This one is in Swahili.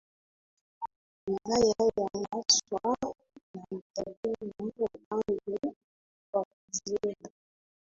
Wilaya ya Maswa na Itilima upande wa kusini